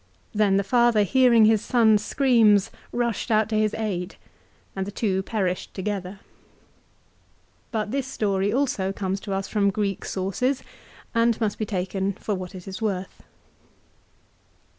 Then the father hearing his son's screams rushed out to his aid, and the two perished together. But this story also comes to us from Greek sources and must be taken for what it is worth.